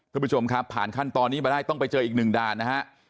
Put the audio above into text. คุณผู้ชมครับผ่านขั้นตอนนี้มาได้ต้องไปเจออีกหนึ่งด่านนะฮะ